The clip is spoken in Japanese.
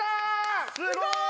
すごい！